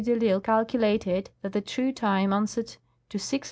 de I'Isle ' calculated that the true time answered to 6h.